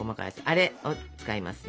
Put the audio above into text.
あれを使いますね。